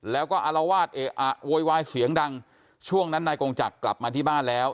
แล้วก็อารวาสเอะอะโวยวายเสียงดังช่วงนั้นนายกงจักรกลับมาที่บ้านแล้ว